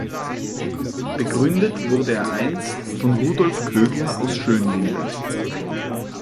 Begründet wurde er einst von Rudolf Kögler aus Schönlinde.